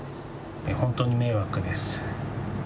本当に迷惑です。